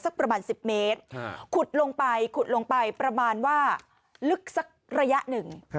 ประมาณ๑๐เมตรขุดลงไปขุดลงไปประมาณว่าลึกสักระยะหนึ่ง